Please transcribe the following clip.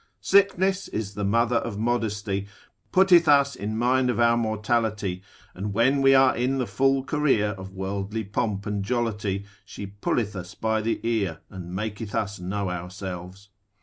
Sickness is the mother of modesty, putteth us in mind of our mortality; and when we are in the full career of worldly pomp and jollity, she pulleth us by the ear, and maketh us know ourselves.